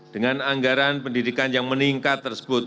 dengan anggaran pendidikan yang meningkat tersebut